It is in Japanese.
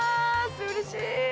うれしー。